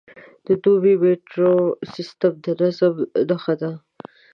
د دوبی میټرو سیستم د نظم نښه ده.